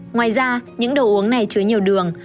ngoài ra những đồ uống này chứa nhiều đường